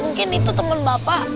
mungkin itu temen bapak